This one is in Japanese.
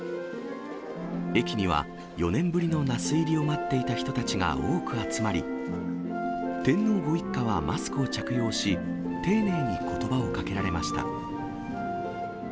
駅には、４年ぶりの那須入りを待っていた人たちが多く集まり、天皇ご一家はマスクを着用し、丁寧にことばをかけられました。